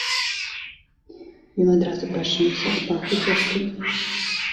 Ён адразу прачнуўся ад паху дзёгцю.